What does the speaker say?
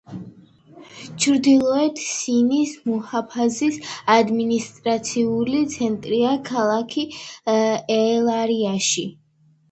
ჩრდილოეთ სინის მუჰაფაზის ადმინისტრაციული ცენტრია ქალაქი ელ-არიში.